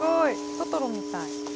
「トトロ」みたい。